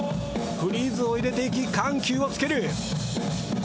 フリーズを入れていき緩急をつける。